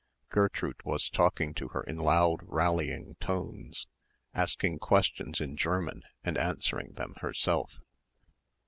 Gertrude was talking to her in loud rallying tones, asking questions in German and answering them herself.